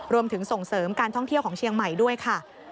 รวมถึงส่งเสริมการท่องเที่ยวของเชียงใหม่ด้วยค่ะ